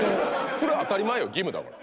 それは当たり前よ義務だから。